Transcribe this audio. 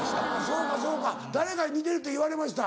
そうかそうか誰かに似てるって言われました？